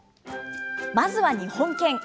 まずは日本犬。